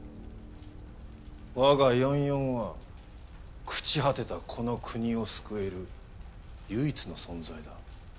我が４４は朽ち果てたこの国を救える唯一の存在だ。